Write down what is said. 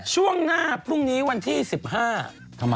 ช่วงหน้าพรุ่งนี้วันที่๑๕